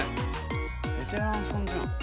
ベテランさんじゃん。